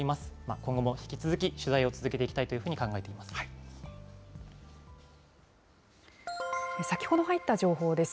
今後も引き続き、取材を続けてい先ほど入った情報です。